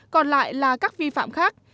còn lại là các vi phạm khác